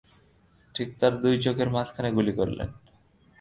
ঠিক তার দুই চোখের মাঝখানে গুলি করলেন।